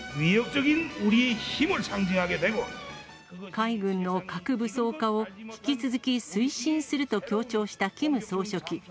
海軍の核武装化を引き続き推進すると強調したキム総書記。